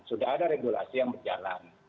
sudah ada regulasi yang berjalan